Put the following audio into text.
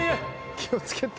気を付けて。